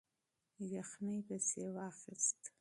یخنۍ پسې واخیست.